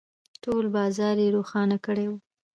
، ټول بازار يې روښانه کړی و.